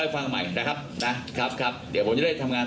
ฟังใหม่นะครับนะครับครับเดี๋ยวผมจะได้ทำงาน